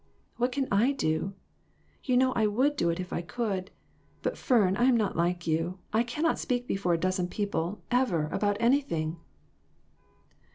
" What can I do ? You know I would do if I could. But, Fern, I am not like you; I cannot speak before a dozen people, ever, about anything."